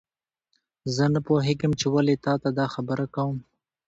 زه نه پوهیږم چې ولې تا ته دا خبره کوم